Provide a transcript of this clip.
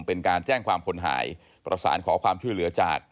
เป็นการแจ้งความคนหายประสานขอความช่วยเหลือจาก